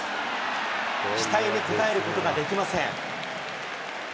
期待に応えることができません。